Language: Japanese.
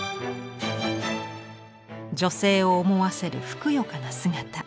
女性を思わせるふくよかな姿。